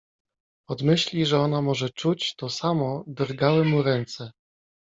Od myśli, że ona może czuć to samo, drgały mu ręce.